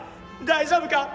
大丈夫か？